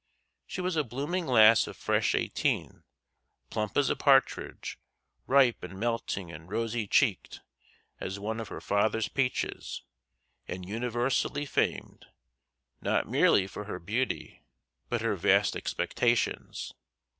She was a blooming lass of fresh eighteen, plump as a partridge, ripe and melting and rosy cheeked as one of her father's peaches, and universally famed, not merely for her beauty, but her vast expectations.